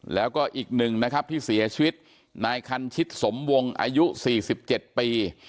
แล้วก็อีกหนึ่งนะครับที่เสียชีวิตนายคันชิตสมวงอายุ๔๗ปี